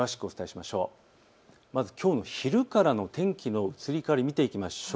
まず、きょうの昼からの天気の移り変わりを見ていきましょう。